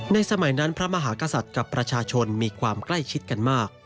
สมัยนั้นพระมหากษัตริย์กับประชาชนมีความใกล้ชิดกันมาก